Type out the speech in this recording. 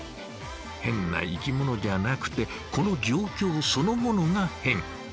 ヘンな生きものじゃなくてこの状況そのものがヘン。